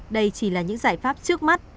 đây chỉ là những giải pháp trước mắt